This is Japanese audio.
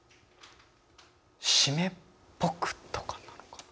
「湿っぽく」とかなのかな。